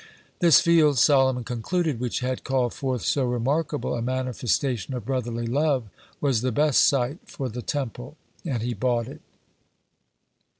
This field, Solomon concluded, which had called forth so remarkable a manifestation of brotherly love, was the best site for the Temple, and he bought it.